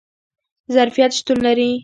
ظرفیت شتون لري